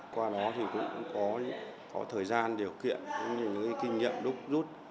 qua đó thì cũng có thời gian điều kiện những kinh nghiệm đúc rút